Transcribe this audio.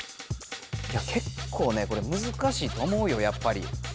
いやけっこうねこれ難しいと思うよやっぱり。